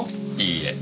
いいえ。